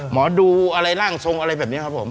หมอดูอะไรร่างทรงอะไรแบบนี้ครับผม